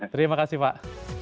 terima kasih pak